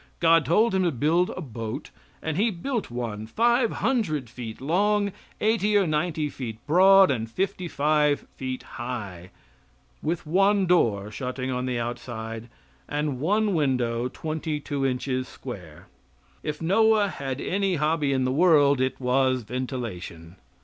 God told him to build a boat, and he built one five hundred feet long, eighty or ninety feet broad and fifty five feet high, with one door shutting on the outside, and one window twenty two inches square. If Noah had any hobby in the world it was ventilation.